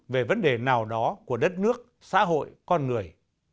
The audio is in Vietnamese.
về vấn đề nào đó của đất nước xã hội con người